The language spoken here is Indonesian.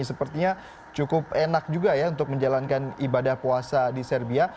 sepertinya cukup enak juga ya untuk menjalankan ibadah puasa di serbia